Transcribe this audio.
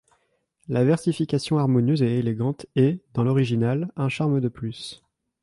La versification harmonieuse et élégante est, dans l’original, un charme de plus.